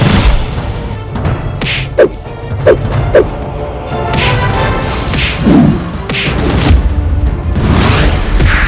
tidak kau lupa dari perori haver ini right here kita harborai